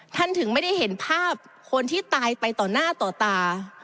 ถึงไม่ได้เห็นภาพคนที่ตายไปต่อหน้าต่อตา